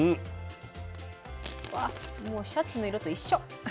わっもうシャツの色と一緒。